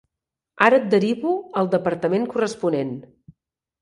Ara et derivo al departament corresponent.